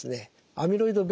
アミロイドβ